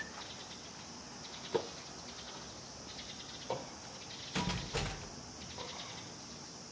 あっ。